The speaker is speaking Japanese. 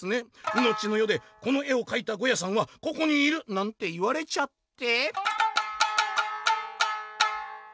のちのよでこの絵を描いたゴヤさんはここにいる！なんて言われちゃって」。